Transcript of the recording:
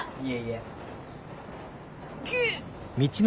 いえいえ。